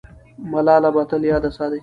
ملاله به تل یاده سي.